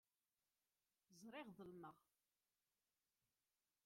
Ẓriɣ ḍelmeɣ.